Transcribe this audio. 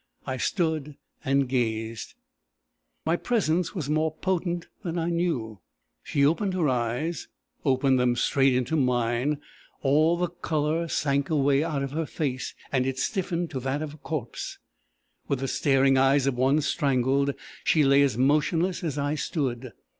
I stood and gazed. "My presence was more potent than I knew. She opened her eyes opened them straight into mine. All the colour sank away out of her face, and it stiffened to that of a corpse. With the staring eyes of one strangled, she lay as motionless as I stood.